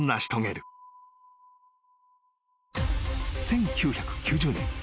［１９９０年。